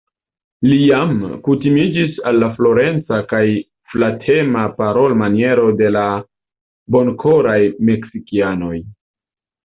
Li jam kutimiĝis al la floreca kaj flatema parolmaniero de la bonkoraj Meksikianoj.